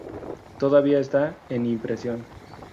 Todavía está en impresión.